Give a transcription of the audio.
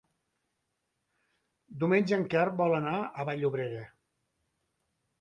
Diumenge en Quer vol anar a Vall-llobrega.